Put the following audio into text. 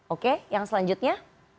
oke yang selanjutnya